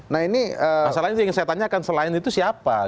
masalahnya yang saya tanya selain itu siapa